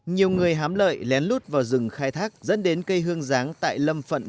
nhiều người hám lợi lén lút vào rừng khai thác dẫn đến cây hương giáng tại lâm phận